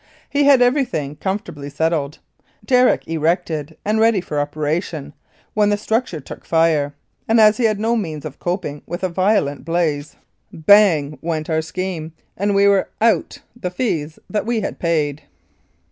He had everything comfortably settled, derrick erected and ready for operation, when the structure took fire, and as he had no means of coping with a violent blaze, 7* Mounted Police Life in Canada " bang went " our scheme, and we were " out " the fees that we had paid.